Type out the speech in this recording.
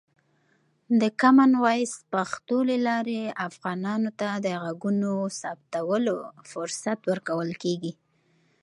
د کامن وایس پښتو له لارې، افغانانو ته د غږونو ثبتولو فرصت ورکول کېږي.